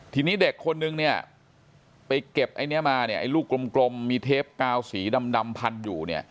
ทีนี้เด็กคนนึงไปเก็บไอ้ลูกกลมมีเทปกาวสีดำพันธุ์อยู่